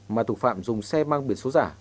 mà thủ phạm dùng xe mang biển số giả